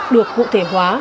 được cụ thể hóa